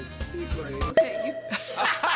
ハハハハ！